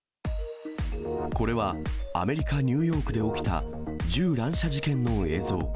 これはアメリカ・ニューヨークで起きた銃乱射事件の映像。